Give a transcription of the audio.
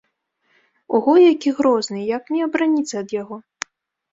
Ого, які грозны, як мне абараніцца ад яго?